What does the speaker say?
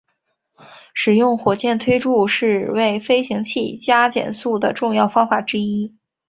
使用火箭助推是为飞行器加减速的重要方法之一。